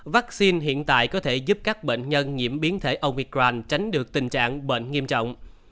vắc xin hiện tại có thể giúp các bệnh nhân nhiễm biến thể omicron tránh được tình trạng bệnh nghiêm trọng